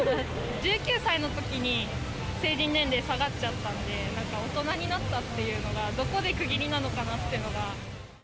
１９歳のときに成人年齢下がっちゃったんで、なんか大人になったっていうのが、どこで区切りなのかなっていうのが。